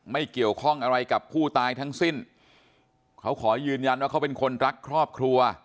ไม่เกี่ยวข้องอะไรกับผู้ตายทั้งสิ้นเขาขอยืนยันว่าเขาเป็นคนรักครอบครัว